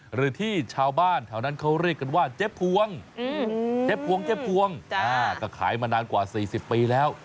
หรือที่ชาวบ้านแถวนั้นเขาเรียกกันว่าเจ๊พวงเจ๊พวงเจ๊พวงก็ขายมานานกว่า๔๐ปีแล้ว